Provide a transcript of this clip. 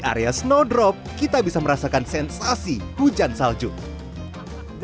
halus dan aslinya lumayan loh bagionya pakai dengan kepala jadi pake penutup kepala ya olah